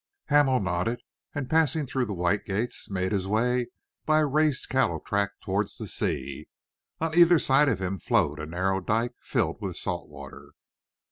Hamel nodded, and passing through the white gates, made his way by a raised cattle track towards the sea. On either side of him flowed a narrow dike filled with salt water.